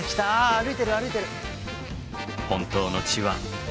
歩いてる歩いてる！